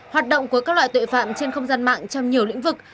hoạt động của các loại tội phạm trên không gian mạng trong nhiều lĩnh vực